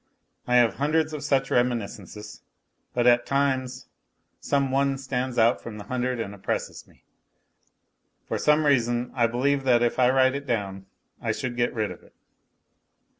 I have hundreds of such reminiscences ; but at times some one stands out from the hundred and oppresses me. For some reason I believe that if I write it down I should get rid of it.